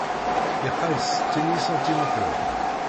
lqay s settin n yisantimitren.